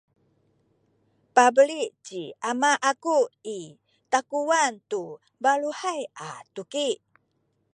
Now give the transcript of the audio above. pabeli ci ama aku i takuwan tu baluhay a tuki